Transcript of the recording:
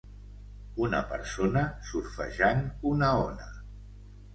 Una persona surfejant una ona.